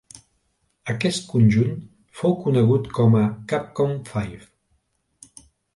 Aquest conjunt fou conegut com a Capcom Five.